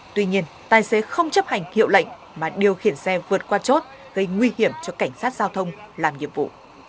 tuy nhiên tài xế không chấp hành hiệu lệnh mà điều khiển xe vượt qua chốt gây nguy hiểm cho cảnh sát giao thông làm nhiệm vụ